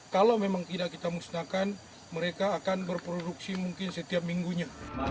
kalau memang tidak kita musnahkan mereka akan berproduksi mungkin setiap minggunya